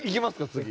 次。